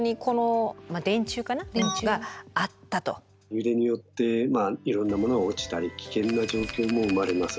揺れによっていろんなものが落ちたり危険な状況も生まれます。